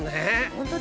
ホント？